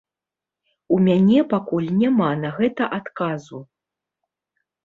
У мяне пакуль няма на гэта адказу.